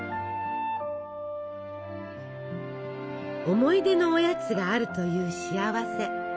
思い出のおやつがあるという幸せ。